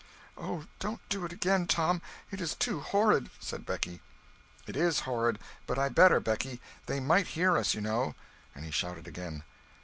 "Oh, don't do it again, Tom, it is too horrid," said Becky. "It is horrid, but I better, Becky; they might hear us, you know," and he shouted again.